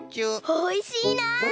おいしいな！